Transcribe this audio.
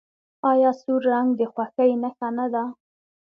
آیا سور رنګ د خوښۍ نښه نه ده؟